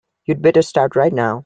You'd better start right now.